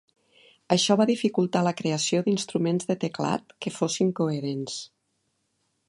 Això va dificultar la creació d'instruments de teclat que fossin coherents.